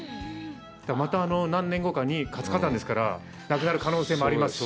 また何年後かに、活火山ですから、なくなる可能性もありますし。